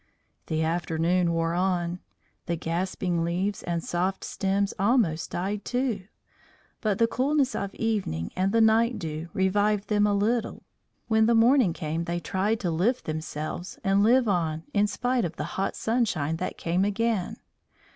The afternoon wore on. The gasping leaves and soft stems almost died too, but the coolness of evening and the night dew revived them a little; when the morning came they tried to lift themselves and live on in spite of the hot sunshine that came again.